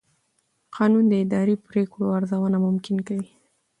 قانون د اداري پرېکړو ارزونه ممکن کوي.